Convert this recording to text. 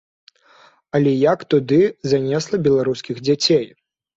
Але як туды занесла беларускіх дзяцей?